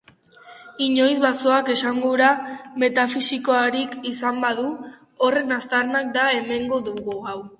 Inoiz basoak esangura metafisikorik izan badu, horren aztarna da hemengo hau.